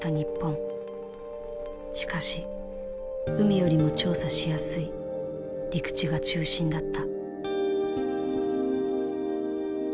しかし海よりも調査しやすい陸地が中心だった。